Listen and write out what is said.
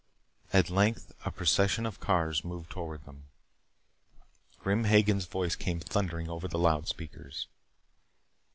At length a procession of cars moved toward them. Grim Hagen's voice came thundering over the loud speakers.